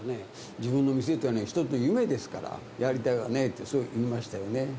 自分の店っていうのは一つの夢ですから、やりたいわねって、そう言いましたよね。